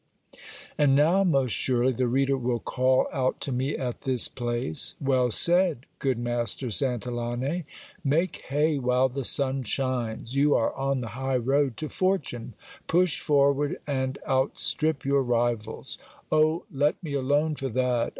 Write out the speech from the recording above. jg6 GIL BLAS. And now most surely the reader will call out to me at this place : Well said, good master Santillane! Make hay while the sun shines. You are on the high road to fortune ; push forward, and outstrip your rivals. Oh ! let me alone for that.